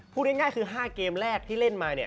พูดง่ายคือ๕เกมแรกที่เล่นมา